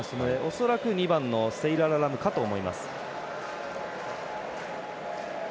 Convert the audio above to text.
恐らく２番のセイララ・ラムかと思います。